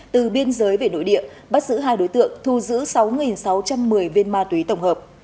từ biên giới về nội địa bắt giữ hai đối tượng thu giữ sáu sáu trăm một mươi viên ma túy tổng hợp